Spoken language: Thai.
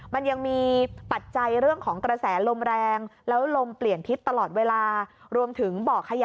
มันยังมีปัจจัยเรื่องของกระแสลมแรง